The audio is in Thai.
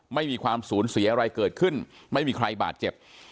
ไม่มีความสูญเสียอะไรเกิดขึ้นไม่มีใครบาดเจ็บ